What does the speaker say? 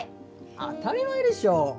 当たり前でしょ！